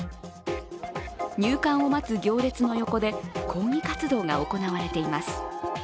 入館を待つ行列の横で抗議活動が行われています。